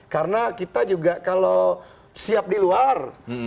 karena kita juga kalau siap di luar